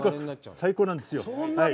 最高なんですよ。